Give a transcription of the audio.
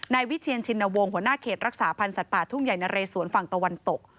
วิเชียนชินวงศ์หัวหน้าเขตรักษาพันธ์สัตว์ป่าทุ่งใหญ่นะเรสวนฝั่งตะวันตก